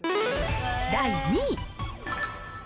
第２位。